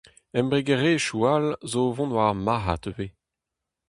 Embregerezhioù all zo o vont war ar marc'had ivez.